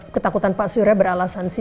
ketakutan pak surya beralasan sih